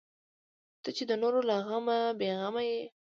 ته چې د نورو له غمه بې غمه یې.